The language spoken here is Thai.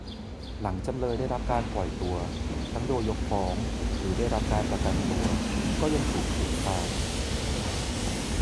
หลังจำเลยได้รับการปล่อยตัวทั้งโดยยกฟ้องหรือได้รับการประกันตัว ก็ยังถูกคุกคาม